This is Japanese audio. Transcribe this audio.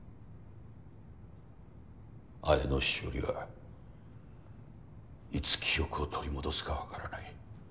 姉の紫織がいつ記憶を取り戻すかわからない。